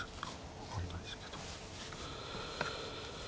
分かんないですけど。